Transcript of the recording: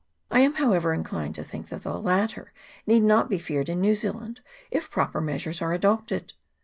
I am, however, inclined to think that the latter need not be feared in New Zealand, if proper measures are adopted.